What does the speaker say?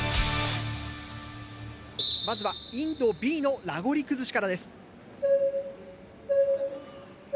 まずはインドＢのラゴリ崩しからです。